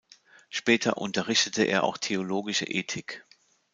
Später unterrichtete er auch theologische Ethik.